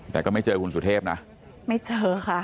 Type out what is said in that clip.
แต่ก็ไม่เจอคุณสุเทพนะไม่เจอค่ะ